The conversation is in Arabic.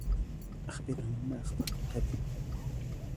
أخبرهم ما أخبرتك بهِ.